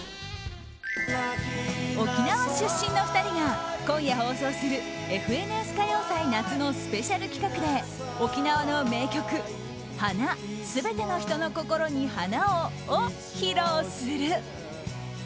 沖縄出身の２人が、今夜放送する「ＦＮＳ歌謡祭夏」のスペシャル企画で、沖縄の名曲「花すべての人の心に花を」を披露する。